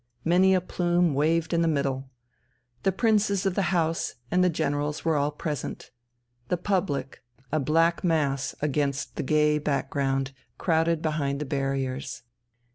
Many a plume waved in the middle. The princes of the House and the generals were all present. The public, a black mass against the gay background, crowded behind the barriers.